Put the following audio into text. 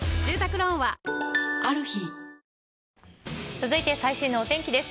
続いて最新のお天気です。